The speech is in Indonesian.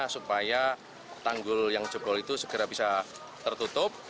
supaya tanggul yang jebol itu segera bisa tertutup